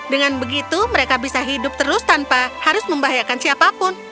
dengan begitu mereka bisa hidup terus tanpa harus membahayakan siapapun